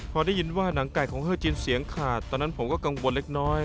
พอได้ยินว่าหนังไก่ของเฮอร์จินเสียงขาดตอนนั้นผมก็กังวลเล็กน้อย